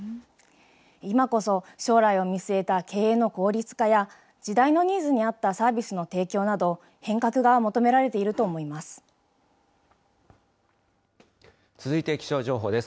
今こそ、将来を見据えた経営の効率化や、時代のニーズに合ったサービスの提供など、変革が求められていると思います。